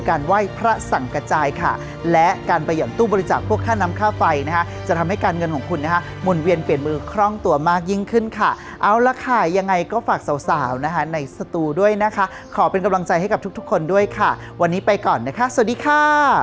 ไหว้พระสั่งกระจายค่ะและการประหย่อนตู้บริจาคพวกค่าน้ำค่าไฟนะคะจะทำให้การเงินของคุณนะคะหมุนเวียนเปลี่ยนมือคล่องตัวมากยิ่งขึ้นค่ะเอาละค่ะยังไงก็ฝากสาวนะคะในสตูด้วยนะคะขอเป็นกำลังใจให้กับทุกทุกคนด้วยค่ะวันนี้ไปก่อนนะคะสวัสดีค่ะ